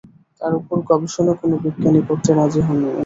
তার উপর গবেষণা কোনো বিজ্ঞানী করতে রাজি হন নি।